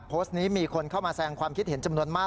โพสต์นี้มีคนเข้ามาแสงความคิดเห็นจำนวนมาก